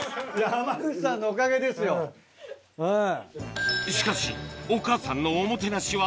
濱口さんのおかげですようん。